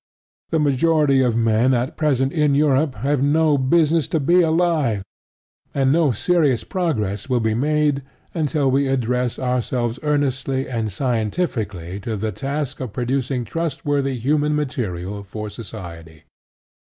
The majority of men at present in Europe have no business to be alive; and no serious progress will be made until we address ourselves earnestly and scientifically to the task of producing trustworthy human material for society.